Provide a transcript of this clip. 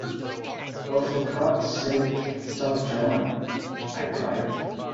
“Oh, for God’s sake stop jawing,” I cried.